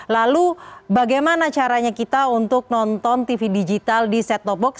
lalu bagaimana caranya kita untuk nonton tv digital di set top box